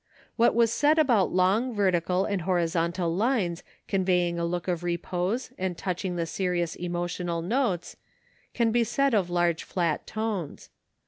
What was said about long vertical and horizontal lines conveying a look of repose and touching the serious emotional notes, can be said of large flat tones.